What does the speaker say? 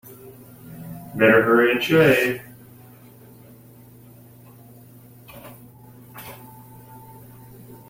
Better hurry and shave.